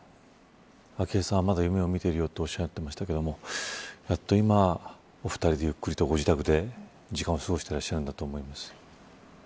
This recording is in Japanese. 昭恵さんはまだ夢を見ているようとおっしゃっていましたがやっと今、お二人でゆっくりとご自宅で時間を過ごしてらっしゃるんだと思います。